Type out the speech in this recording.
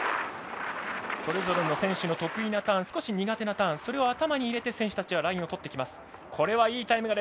それぞれの選手の得意なターン少し苦手なターンそれを頭に入れて選手たちはラインを取ってきます。